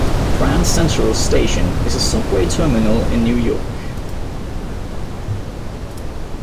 Grand Central Station is a subway terminal in New York.